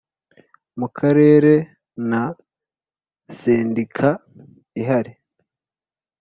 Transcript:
mu Karere nta sendika ihari.